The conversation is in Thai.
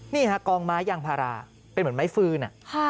นี่ฮะกองไม้ยางพาราเป็นเหมือนไม้ฟืน